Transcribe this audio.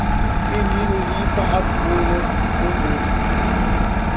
um menino limpa as bolhas do rosto.